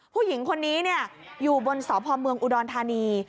ผู้หญิงคนนี้อยู่บนสพเมืองอุดรธานี